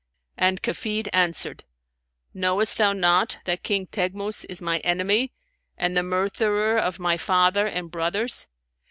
and Kafid answered, 'Knowest thou not that King Teghmus is my enemy and the murtherer of my father and brothers?